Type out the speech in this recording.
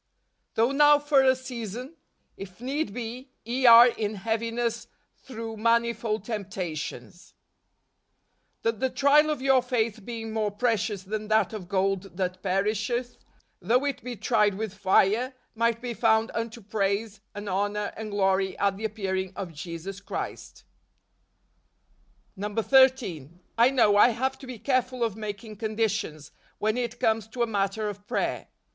" Though now for a season , if need be, ye are in heaviness through manifold temptations : That the trial of your faith being more precious than that of gold that perisheth, though it be tried with fire, might be found unto praise and honor and glory at the appearing of Jesus Christ ." 13. I know, I have to be careful of mak¬ ing conditions, when it comes to a matter of prayer.